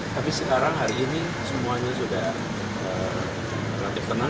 tapi sekarang hari ini semuanya sudah relatif tenang